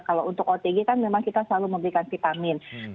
kalau untuk otg kan memang kita selalu memberikan vitamin